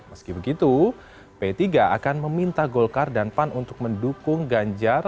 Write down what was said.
meski begitu p tiga akan meminta golkar dan pan untuk mendukung ganjar